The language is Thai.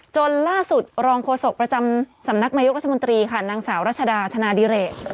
จนล่าสุดรองโฆษกประจำสำนักนายกรัฐมนตรีค่ะนางสาวรัชดาธนาดิเรก